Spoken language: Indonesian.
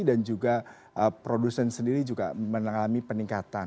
dan juga produsen sendiri juga mengalami peningkatan